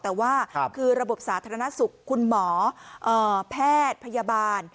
แต่ว่าคือระบบสาธารณสุขคุณหมอแพทย์พยาบาล